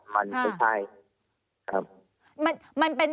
มันไม่ใช่